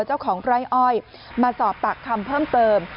เจ้าของไร่อ้อยมาสอบปากคำเพิ่มเติม